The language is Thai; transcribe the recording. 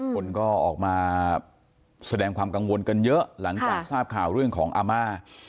คนก็ออกมาแสดงความกังวลกันเยอะหลังจากทราบข่าวเรื่องของอาม่า